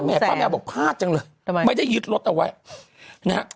ป้าแมวบอกพลาดจังเลยทำไมไม่ได้ยึดรถเอาไว้นะฮะ